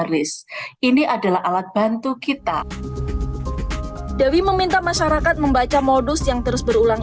risk ini adalah alat bantu kita dewi meminta masyarakat membaca modus yang terus berulang